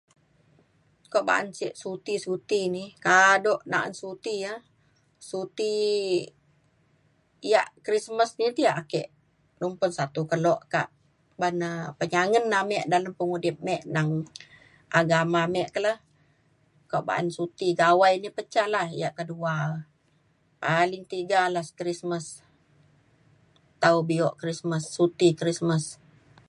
ko ban ce suti suti ni kado na'an suti ia' suti ia' Krismas ni ake numbun satu kelo ka ban na penyangen ame dalem pengudip me nang agama me kele ko ba'an suti Gawai ni pa ca la'a ia' kedua paling tiga lah Krismas tau bio Krismas suti Krismas